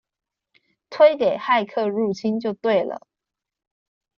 推給「駭客入侵」就對了！